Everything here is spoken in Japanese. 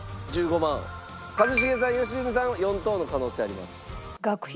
一茂さん良純さんは４等の可能性あります。